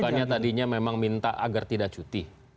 bukannya tadinya memang minta agar tidak cuti